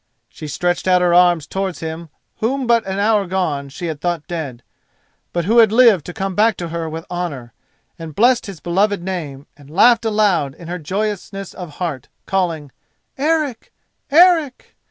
She stretched out her arms towards him whom but an hour gone she had thought dead, but who had lived to come back to her with honour, and blessed his beloved name, and laughed aloud in her joyousness of heart, calling: "_Eric! Eric!